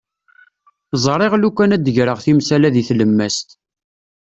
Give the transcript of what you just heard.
Ẓriɣ lukan ad d-greɣ timsal-a deg tlemmast.